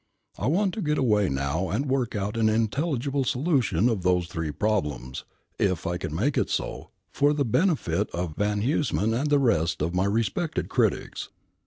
I want to get away now and work out an intelligible solution of those three problems if I can make it so for the benefit of Van Huysman and the rest of my respected critics.